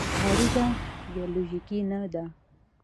غریزه بیولوژیکي نه دی.